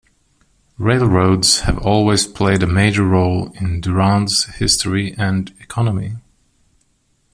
Railroads have always played a major role in Durand's history and economy.